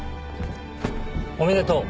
おめでとう。